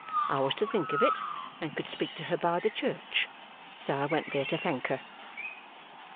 I was to think of it, and could speak to her by the church. So I went there to thank her.